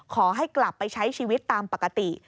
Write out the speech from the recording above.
ขอให้กลับไปใช้ชีวิตตามปกติ